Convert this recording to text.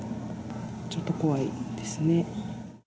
ちょっと怖いですね。